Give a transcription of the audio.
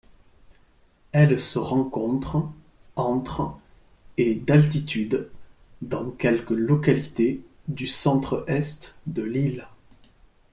Elle se rencontre entre et d'altitude dans quelques localités du centre-Est de l'île.